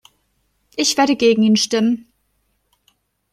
Ich werde gegen ihn stimmen.